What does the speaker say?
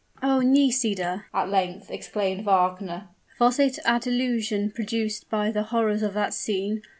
"Oh! Nisida," at length exclaimed Wagner, "was it a delusion produced by the horrors of that scene?